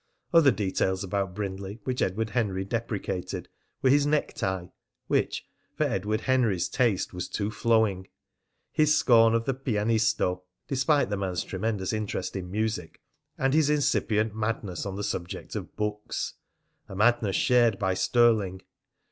Other details about Brindley which Edward Henry deprecated were his necktie, which, for Edward Henry's taste, was too flowing, his scorn of the "Pianisto" (despite the man's tremendous interest in music), and his incipient madness on the subject of books a madness shared by Stirling.